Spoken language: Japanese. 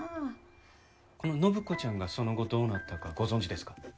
この展子ちゃんがその後どうなったかご存じですか？